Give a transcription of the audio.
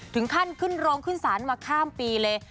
ถึงขั้นขึ้นโรงขึ้นศาลมาข้ามปีเลย